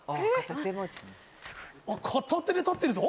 片手で立ってるぞ！